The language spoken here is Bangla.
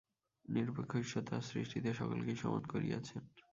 নিরপেক্ষ ঈশ্বর তাঁহার সৃষ্টিতে সকলকেই সমান করিয়াছেন।